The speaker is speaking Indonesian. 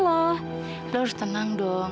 lu harus tenang dong